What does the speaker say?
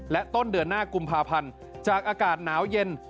และต้นเดือนหน้ากุมภาพันธ์จากอากาศหนาวเย็น